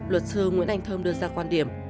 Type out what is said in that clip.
luật sư nguyễn anh thơm đưa ra quan điểm